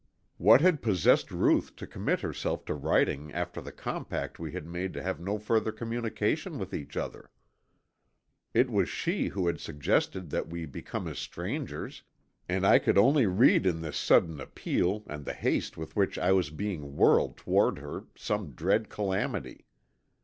What had possessed Ruth to commit herself to writing after the compact we had made to have no further communication with each other! It was she who had suggested that we become as strangers, and I could only read in this sudden appeal and the haste with which I was being whirled toward her some dread calamity.